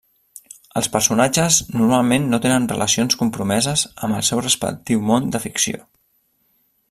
Els personatges normalment no tenen relacions compromeses amb el seu respectiu món de ficció.